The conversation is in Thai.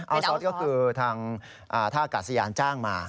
ซอสก็คือทางท่ากาศยานจ้างมา